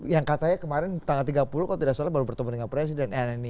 yang katanya kemarin tanggal tiga puluh kalau tidak salah baru bertemu dengan presiden rni